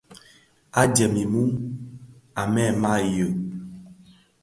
A jèm mum, a mêê maàʼyèg.